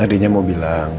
tadinya mau bilang